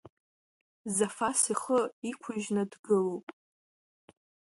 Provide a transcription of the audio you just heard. Зафас ихы иқәыжьны дгылоуп.